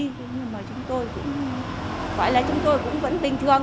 nhưng mà chúng tôi cũng gọi là chúng tôi cũng vẫn bình thường